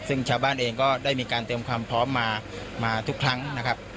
ซึ่งชาวบ้านเองก็ได้มีการเตรียมความพร้อมมาทุกครั้งนะครับ